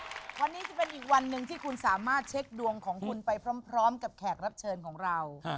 วันนี้จะเป็นอีกวันหนึ่งที่คุณสามารถเช็คดวงของคุณไปพร้อมกับแขกรับเชิญของเรา